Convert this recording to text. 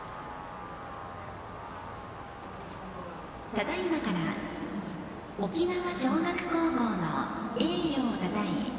ただいまから沖縄尚学高校の栄誉をたたえ